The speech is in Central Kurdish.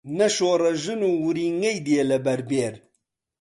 نە شۆڕەژن ورینگەی دێ لەبەر بێر